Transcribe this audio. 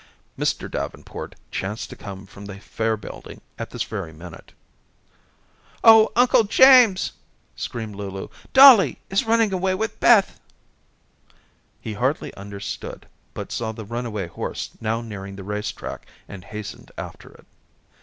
Mr. Davenport chanced to come from the Fair building at this very minute. "Oh, Uncle James," screamed Lulu, "Dollie is running away with Beth." He hardly understood, but saw the runaway horse now nearing the race track and hastened after it.